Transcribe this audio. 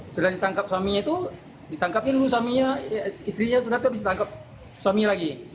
sudah ditangkap suaminya itu ditangkapin dulu suaminya istrinya sudah bisa tangkap suami lagi